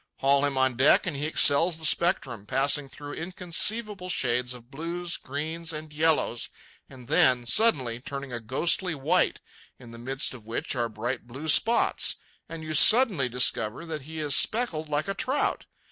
Haul him on deck, and he excels the spectrum, passing through inconceivable shades of blues, greens, and yellows, and then, suddenly, turning a ghostly white, in the midst of which are bright blue spots, and you suddenly discover that he is speckled like a trout.